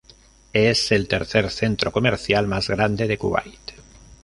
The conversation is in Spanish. Es el tercer centro comercial más grande de Kuwait.